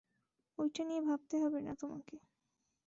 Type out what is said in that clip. ঐটা নিয়ে ভাবতে হবে না তোমাকে।